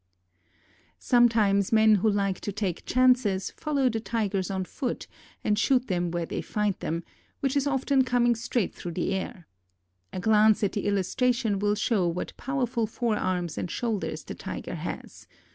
Sometimes men who like to take chances follow the Tigers on foot and shoot them where they find them, which is often coming straight through the air. A glance at the illustration will show what powerful forearms and shoulders the tiger has.